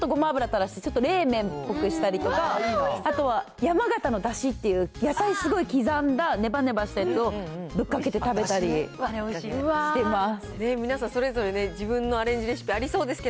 私は白だしにキムチとちょっとごま油たらして、ちょっと冷麺っぽくしたりとか、あとはやまがたのだしっていう、野菜すごい刻んだねばねばしたやつをぶっかけて食べたりしてます